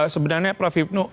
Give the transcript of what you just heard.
sebenarnya prof ibnuk